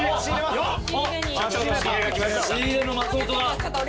仕入れの松本だ。